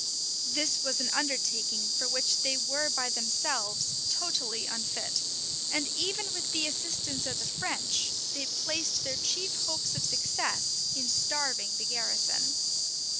[] This was an undertaking for which they were by themselves totally unfit; and even with the assistance of the French, they placed their chief hopes of success in starving the garrison.